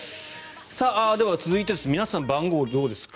では、続いて皆さん、番号どうですか？